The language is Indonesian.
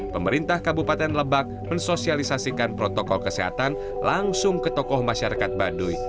pemerintah kabupaten lebak mensosialisasikan protokol kesehatan langsung ke tokoh masyarakat baduy